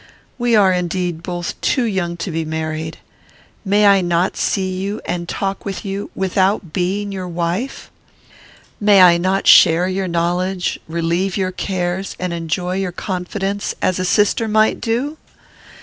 We are, indeed, both too young to be married. May I not see you, and talk with you, without being your wife? May I not share your knowledge, relieve your cares, and enjoy your confidence, as a sister might do?